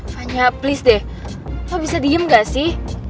vanya please deh lo bisa diem gak sih